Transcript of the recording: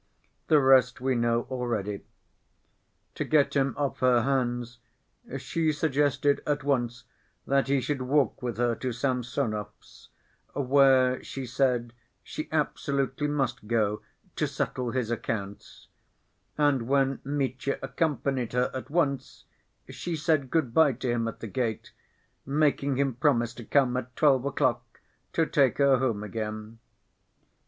The rest we know already. To get him off her hands she suggested at once that he should walk with her to Samsonov's, where she said she absolutely must go "to settle his accounts," and when Mitya accompanied her at once, she said good‐by to him at the gate, making him promise to come at twelve o'clock to take her home again.